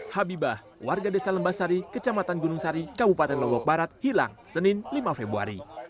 habibah warga desa lembasari kecamatan gunung sari kabupaten lombok barat hilang senin lima februari